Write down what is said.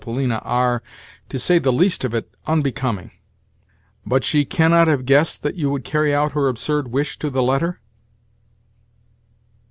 Polina are, to say the least of it, unbecoming. But she cannot have guessed that you would carry out her absurd wish to the letter?"